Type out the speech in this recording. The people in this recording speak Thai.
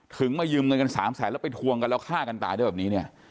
มายืมเงินกัน๓แสนแล้วไปทวงกันแล้วฆ่ากันตายด้วยแบบนี้เนี่ย